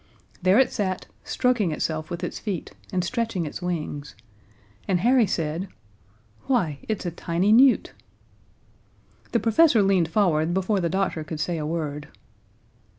There it sat, stroking itself with its feet and stretching its wings, and Harry said: "Why, it's a tiny newt!" The professor leaned forward before the doctor could say a word.